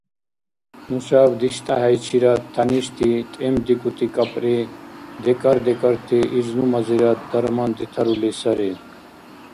Нушаб диштӀахӀейчирад тяништи тӀемдикӀути кӀапӀри декӀар-декӀарти излумазирад дарман детарули сари.